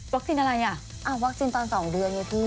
วัคซีนอะไรอ่ะอ่าวัคซีนตอนสองเดือนเนี่ยพี่